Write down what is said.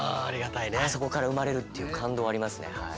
あそこから生まれるっていう感動がありますね。